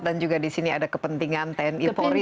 dan juga disini ada kepentingan tni polri